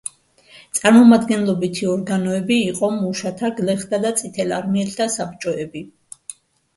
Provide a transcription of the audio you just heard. წარმომადგენლობითი ორგანოები იყო მუშათა, გლეხთა და წითელარმიელთა საბჭოები.